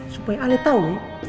supaya ale tau